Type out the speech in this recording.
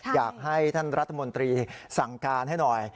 อยากให้ท่านรัฐมนตรีสั่งการให้หน่อย